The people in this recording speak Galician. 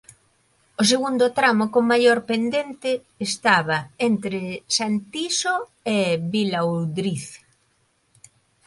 O segundo tramo con maior pendente estaba entre Santiso e Vilaoudriz.